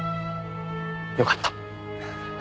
よかった。